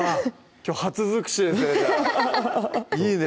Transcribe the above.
きょう初づくしですねいいね